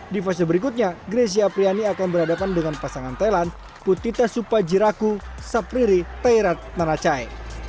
di fase berikutnya greysia apriani akan berhadapan dengan pasangan thailand putita supajiraku sapriri teirat nanacai